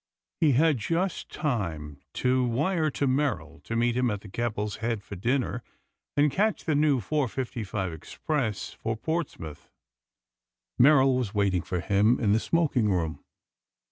He had just time to wire to Merrill to meet him at the "Keppel's Head" for dinner and catch the new 4.55 express for Portsmouth. Merrill was waiting for him in the smoking room.